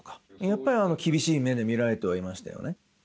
やっぱり厳しい目で見られてはいましたよね。